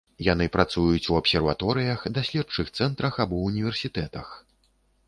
Яны працуюць у абсерваторыях, даследчых цэнтрах або ўніверсітэтах.